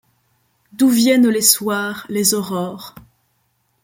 D’où viennent les soirs, les aurores